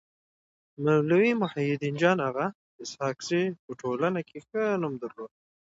مولوي محي الدين جان اغا اسحق زي په ټولنه کي ښه نوم درلود.